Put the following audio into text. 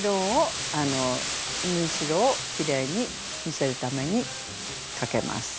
縫い代をきれいに見せるためにかけます。